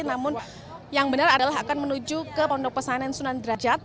namun yang benar adalah akan menuju ke pondok pesantren sunan derajat